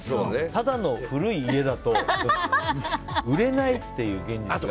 ただの古い家だと売れないっていう現実がある。